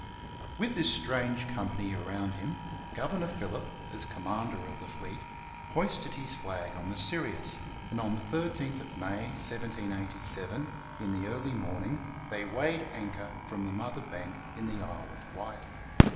With this strange company around him, Governor Phillip, as commander of the fleet, hoisted his flag on the Sirius, and on the 13th of May, 1787, in the early morn ing, they weighed anchor from the Mother Bank in the Isle of Wight.